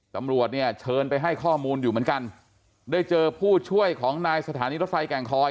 ตำรวจเนี่ยเชิญไปให้ข้อมูลอยู่เหมือนกันได้เจอผู้ช่วยของนายสถานีรถไฟแก่งคอย